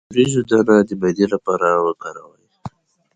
د وریجو دانه د معدې لپاره وکاروئ